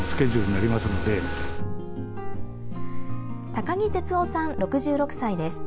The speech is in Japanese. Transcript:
高木哲雄さん、６６歳です。